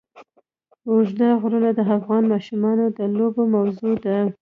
اوږده غرونه د افغان ماشومانو د لوبو موضوع ده.